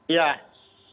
ya pak betul